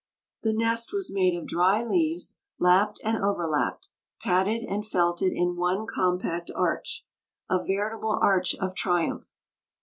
The nest was made of dry leaves, lapped and overlapped, padded and felted in one compact arch a veritable arch of triumph!